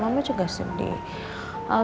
mama juga sedih